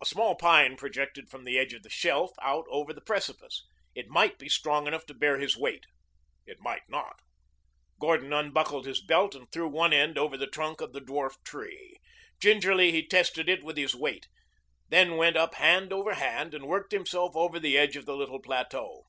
A small pine projected from the edge of the shelf out over the precipice. It might be strong enough to bear his weight. It might not. Gordon unbuckled his belt and threw one end over the trunk of the dwarf tree. Gingerly he tested it with his weight, then went up hand over hand and worked himself over the edge of the little plateau.